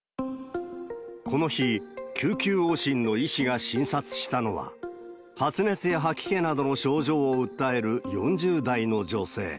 この日、救急往診の医師が診察したのは、発熱や吐き気などの症状を訴える４０代の女性。